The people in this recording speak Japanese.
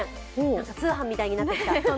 なんか通販みたいになってきた。